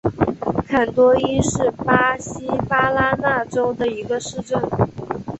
坎多伊是巴西巴拉那州的一个市镇。